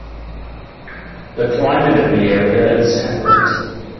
The climate in the area is temperate.